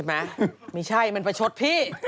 ไม่ใช่มันประชดพี่